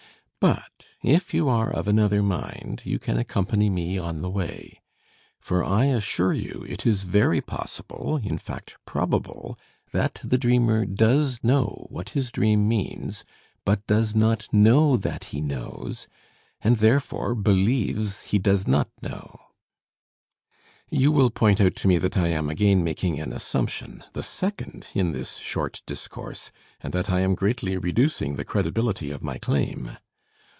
But if you are of another mind, you can accompany me on the way. For I assure you, it is very possible, in fact, probable, that the dreamer does know what his dream means, but does not know that he knows, and therefore believes he does not know. You will point out to me that I am again making an assumption, the second in this short discourse, and that I am greatly reducing the credibility of my claim.